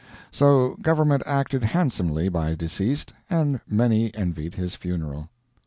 So government acted handsomely by deceased, and many envied his funeral.